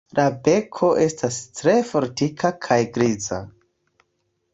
La beko estas tre fortika kaj griza.